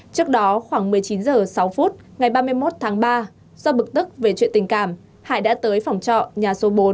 trước đó khoảng một mươi chín h sáu phút ngày ba mươi một tháng ba do bực tức về chuyện tình cảm hải đã tới phòng trọ nhà số bốn